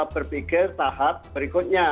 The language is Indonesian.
berpikir tahap berikutnya